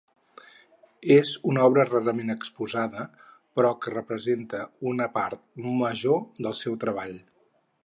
És una obra rarament exposada, però que representa una part major del seu treball.